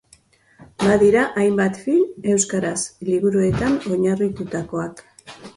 Badira hainbat film euskaraz, liburuetan oinarritutakoak.